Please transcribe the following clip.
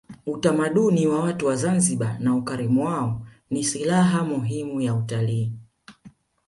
utamaduni wa watu wa zanzibar na ukarimu wao ni silaha muhimu ya utalii